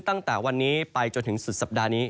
ตั้งแต่วันนี้ไปจนถึงสุดสัปดาห์นี้